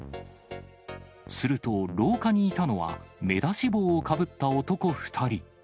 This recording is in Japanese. すると、廊下にいたのは目出し帽をかぶった男２人。